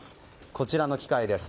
こちらの機械です。